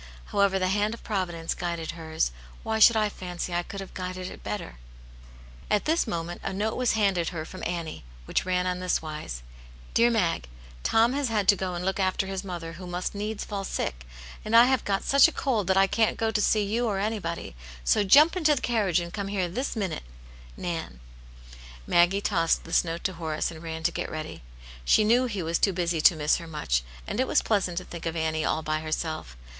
However, the hand of Provi dence guided hers ; why should I fancy I could have guided it better ?" At this moment a note was handed her from Annie, which ran on this wise : "Dear Mag, — ^Tom has had to go and look after his mother, who must needs fall sick. And I have got such a cold that I can't ^o V.ci ^^^'^^^^ <^x ^s^ 1 82 Aunt Janets Hero^ ~ body. So jump into the carriage and come here this minute. * Nan.' " Maggie tossed this note to Horace, and ran to get ready. She knew he was too busy to miss her much, and it was pleasant to think of seeing Annie all by herself.